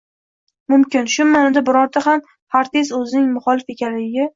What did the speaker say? mumkin. Shu ma’noda, bironta ham xartist o‘zining “muxolif” ekanligiga